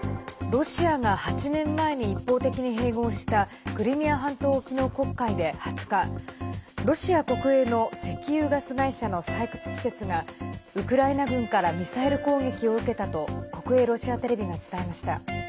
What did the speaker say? ロシアが８年前に一方的に併合したクリミア半島沖の黒海で２０日ロシア国営の石油ガス会社の採掘施設がウクライナ軍からミサイル攻撃を受けたと国営ロシアテレビが伝えました。